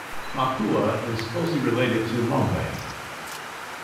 Makhuwa is closely related to Lomwe.